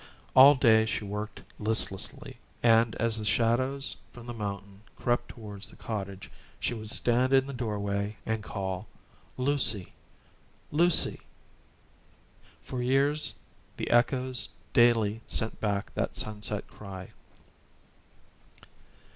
All day she worked listlessly; and as the shadows from the mountain crept towards the cottage, she would stand in the doorway, and call, "Lucy, Lucy." For years the echoes daily sent back that sunset cry.